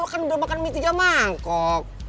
kan udah makan mie tiga mangkok